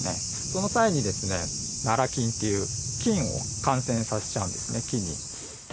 その際に、ナラ菌っていう菌を感染させちゃうんですね、木に。